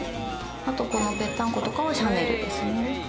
このぺったんことかはシャネルですね。